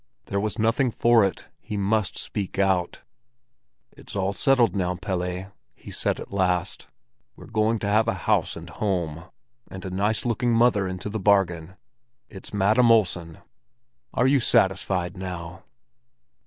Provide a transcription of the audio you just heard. There was nothing for it; he must speak out. "It's all settled now, Pelle," he said at last. "We're going to have a house and home, and a nice looking mother into the bargain. It's Madam Olsen. Are you satisfied now?"